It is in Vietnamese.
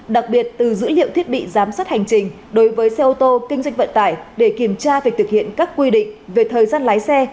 đặc biệt từ dữ liệu thiết bị giám sát hành trình đối với xe ô tô kinh doanh vận tải để kiểm tra việc thực hiện các quy định về thời gian lái xe